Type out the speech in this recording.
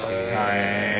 へえ！